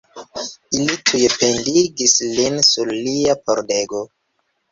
Ili tuj pendigis lin sur lia pordego.